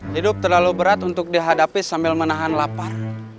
hidup terlalu berat untuk dihadapi sambil menahan lapar